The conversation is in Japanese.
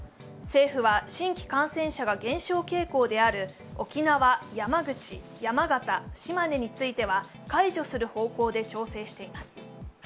政府は新規感染者が減少傾向である沖縄、山口、山形、島根については解除する方向で調整しています。